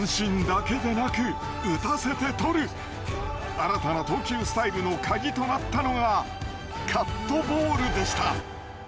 新たな投球スタイルの鍵となったのがカットボールでした。